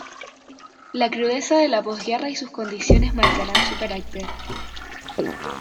La crudeza de la posguerra y sus condiciones marcarán su carácter.